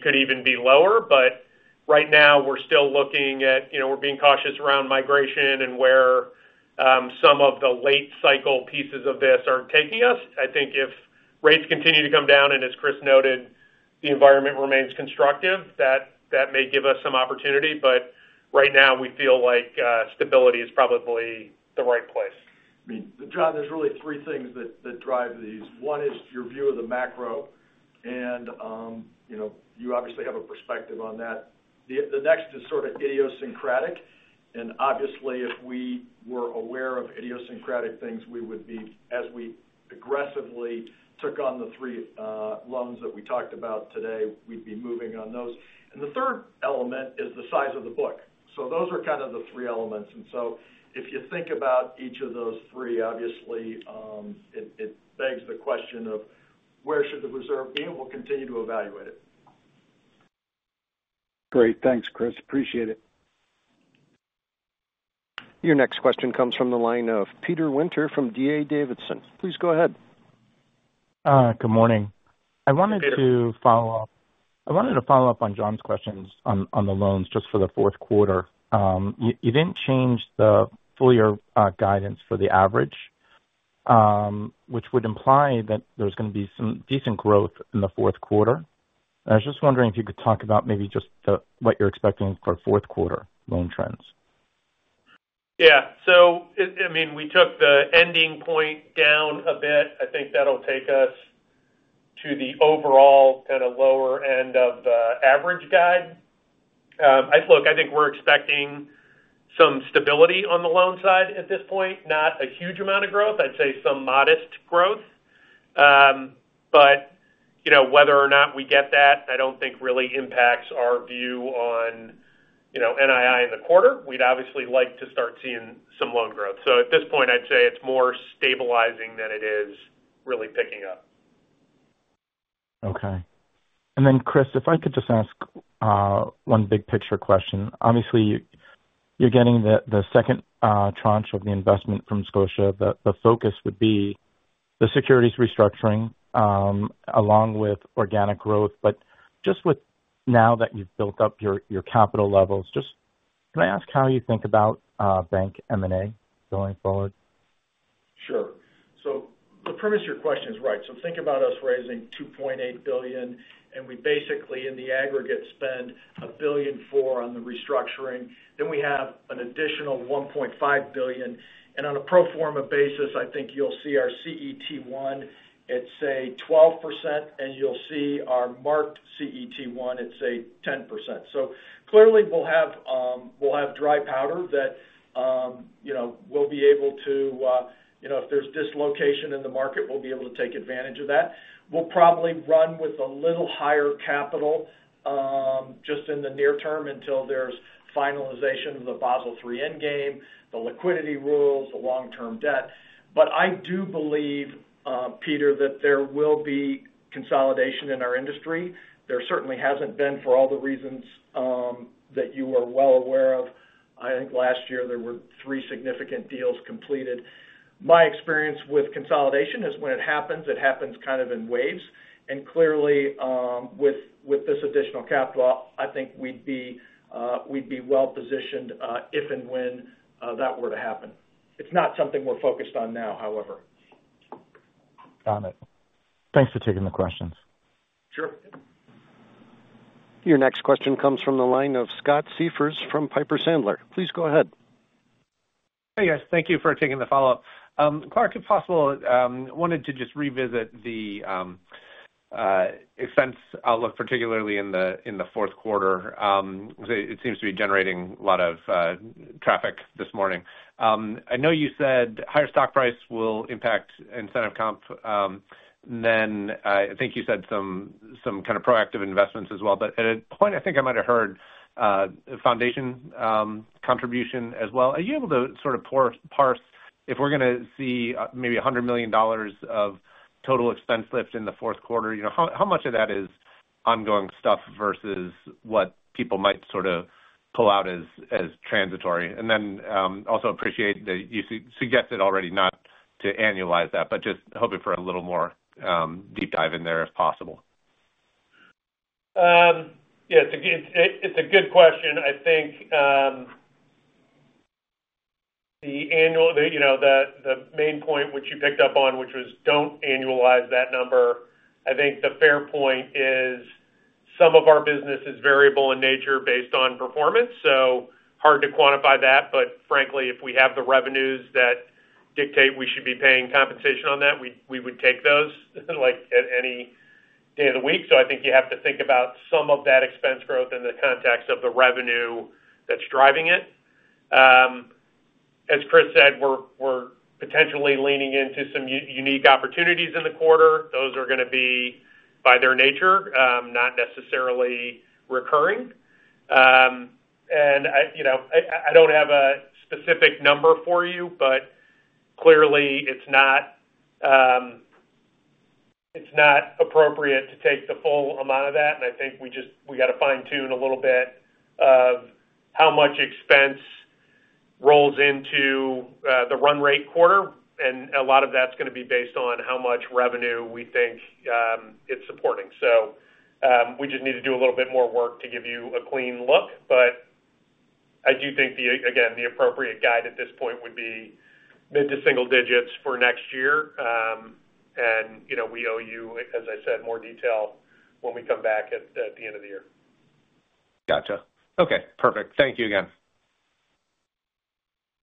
D: could even be lower, but right now, we're still looking at, you know, we're being cautious around migration and where some of the late cycle pieces of this are taking us. I think if rates continue to come down, and as Chris noted, the environment remains constructive, that may give us some opportunity, but right now we feel like stability is probably the right place.
C: I mean, John, there's really three things that drive these. One is your view of the macro, and, you know, you obviously have a perspective on that. The next is sort of idiosyncratic, and obviously, if we were aware of idiosyncratic things, we would be, as we aggressively took on the three loans that we talked about today, we'd be moving on those. And the third element is the size of the book. So those are kind of the three elements. And so if you think about each of those three, obviously, it begs the question of where should the reserve be, and we'll continue to evaluate it.
H: Great. Thanks, Chris. Appreciate it.
A: Your next question comes from the line of Peter Winter from D.A. Davidson. Please go ahead.
L: Good morning. I wanted to follow up on John's questions on the loans just for the fourth quarter. You didn't change the full year guidance for the average, which would imply that there's gonna be some decent growth in the fourth quarter. I was just wondering if you could talk about maybe just the what you're expecting for fourth quarter loan trends.
D: Yeah. So, I mean, we took the ending point down a bit. I think that'll take us to the overall kind of lower end of the average guide. Look, I think we're expecting some stability on the loan side at this point, not a huge amount of growth. I'd say some modest growth. But, you know, whether or not we get that, I don't think really impacts our view on, you know, NII in the quarter. We'd obviously like to start seeing some loan growth. So at this point, I'd say it's more stabilizing than it is really picking up.
L: Okay. And then, Chris, if I could just ask one big picture question. Obviously, you're getting the second tranche of the investment from Scotia, but the focus would be the securities restructuring along with organic growth. But just with now that you've built up your capital levels, just can I ask how you think about bank M&A going forward?
C: Sure. So the premise of your question is right. So think about us raising $2.8 billion, and we basically, in the aggregate, spend $1.4 billion on the restructuring, then we have an additional $1.5 billion. And on a pro forma basis, I think you'll see our CET1 at, say, 12%, and you'll see our marked CET1 at, say, 10%. So clearly, we'll have, we'll have dry powder that, you know, we'll be able to, you know, if there's dislocation in the market, we'll be able to take advantage of that. We'll probably run with a little higher capital, just in the near term until there's finalization of the Basel III Endgame, the liquidity rules, the long-term debt. But I do believe, Peter, that there will be consolidation in our industry. There certainly hasn't been for all the reasons that you are well aware of. I think last year, there were three significant deals completed. My experience with consolidation is when it happens, it happens kind of in waves, and clearly, with this additional capital, I think we'd be well-positioned, if and when that were to happen. It's not something we're focused on now, however.
L: Got it. Thanks for taking the questions.
C: Sure.
A: Your next question comes from the line of Scott Siefers from Piper Sandler. Please go ahead.
E: Hey, guys. Thank you for taking the follow-up. Clark, if possible, wanted to just revisit the expense outlook, particularly in the fourth quarter. It seems to be generating a lot of traffic this morning. I know you said higher stock price will impact incentive comp, then I think you said some kind of proactive investments as well. But at a point, I think I might have heard foundation contribution as well. Are you able to sort of parse if we're gonna see maybe $100 million of total expense lifts in the fourth quarter? You know, how much of that is ongoing stuff versus what people might sort of pull out as transitory? And then, also appreciate that you suggested already not to annualize that, but just hoping for a little more, deep dive in there as possible.
D: Yes, again, it's a good question. I think, you know, the main point which you picked up on, which was don't annualize that number. I think the fair point is some of our business is variable in nature based on performance, so hard to quantify that. But frankly, if we have the revenues that dictate we should be paying compensation on that, we would take those, like, at any day of the week. So I think you have to think about some of that expense growth in the context of the revenue that's driving it. As Chris said, we're potentially leaning into some unique opportunities in the quarter. Those are gonna be, by their nature, not necessarily recurring. And I, you know, don't have a specific number for you, but clearly, it's not appropriate to take the full amount of that, and I think we got to fine-tune a little bit of how much expense rolls into the run rate quarter, and a lot of that's gonna be based on how much revenue we think it's supporting. So, we just need to do a little bit more work to give you a clean look. But I do think, again, the appropriate guide at this point would be mid-single digits for next year. And, you know, we owe you, as I said, more detail when we come back at the end of the year.
E: Gotcha. Okay, perfect. Thank you again.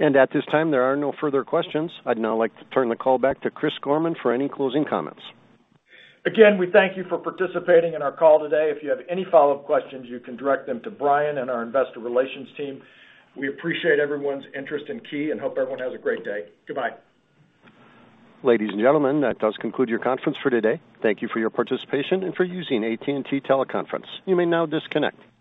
A: At this time, there are no further questions. I'd now like to turn the call back to Chris Gorman for any closing comments.
C: Again, we thank you for participating in our call today. If you have any follow-up questions, you can direct them to Brian and our investor relations team. We appreciate everyone's interest in Key and hope everyone has a great day. Goodbye.
A: Ladies and gentlemen, that does conclude your conference for today. Thank you for your participation and for using AT&T Teleconference. You may now disconnect.